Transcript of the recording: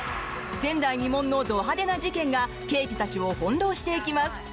前代未聞のど派手な事件が刑事たちを翻ろうしていきます。